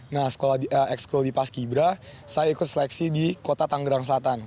nah sekolah di ex school di pas ki bra saya ikut seleksi di kota tanggerang selatan